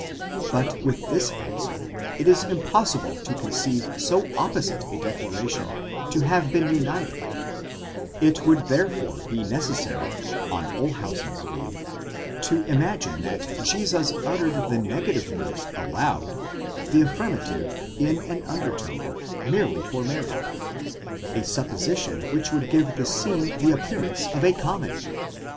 But with this answer, it is impossible to conceive so opposite a declaration to have been united ; it would therefore be necessary, on Olshausen's view, to imagine that Jesus uttered the negative words aloud, the affirmative in an undertone, merely for Mary : a supposition which would give the scene the appearance of a comedy.